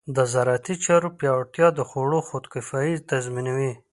د زراعتي چارو پیاوړتیا د خوړو خودکفایي تضمینوي.